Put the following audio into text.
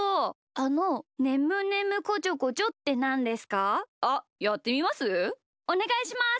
おねがいします。